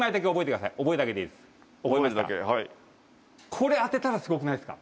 これ当てたらすごくないですか？